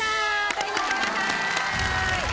取りに来てくださーい！